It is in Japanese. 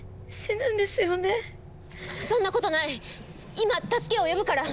今助けを呼ぶから！